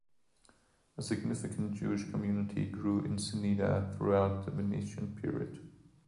A significant Jewish community grew in Ceneda throughout the Venetian period.